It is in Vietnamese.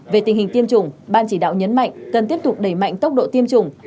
về tình hình tiêm chủng ban chỉ đạo nhấn mạnh cần tiếp tục đẩy mạnh tốc độ tiêm chủng